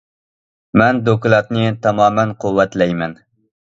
مەن دوكلاتنى تامامەن قۇۋۋەتلەيمەن.